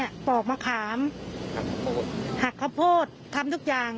แล้วก็เอาปืนยิงจนตายเนี่ยมันก็อาจจะเป็นไปได้จริง